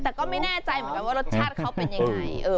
แต่ก็ไม่แน่ใจเหมือนกันว่ารสชาติเขาเป็นยังไง